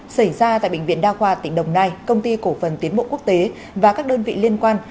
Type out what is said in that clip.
xảy ra tại bệnh viện đa khoa tỉnh đồng nai công ty cổ phần tiến bộ quốc tế và các đơn vị liên quan